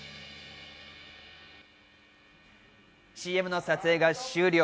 ＣＭの撮影が終了。